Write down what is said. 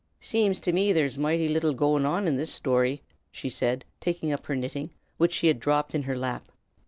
"Seems to me there's moighty little goin' an in this shtory!" she said, taking up her knitting, which she had dropped in her lap.